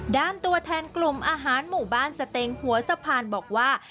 ด้านตัวแทนกลุ่มอาหารหมู่บ้านสเต็งหัวสะพานบอกว่า